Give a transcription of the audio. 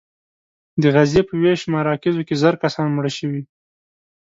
د غزې په ویش مراکزو کې زر کسان مړه شوي.